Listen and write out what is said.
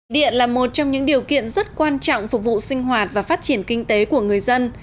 điện là một trong những điều kiện rất quan trọng phục vụ sinh hoạt và phát triển kinh tế của người dân